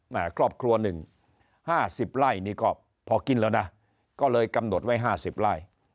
ครอบครัวหนึ่ง๕๐ไร่นี่ก็พอกินแล้วนะก็เลยกำหนดไว้๕๐ไร่